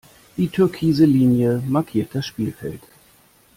Die türkise Linie markiert das Spielfeld.